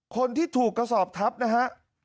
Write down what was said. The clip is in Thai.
คนที่ถูกกระสอบทับนะฮะ